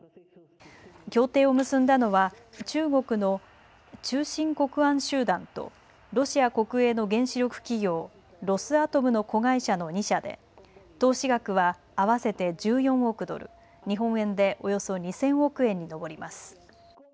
協定を結んだのは中国の中信国安集団とロシア国営の原子力企業、ロスアトムの子会社の２社で投資額は合わせて１４億ドル、日本円でおよそ２０００億円に上ります。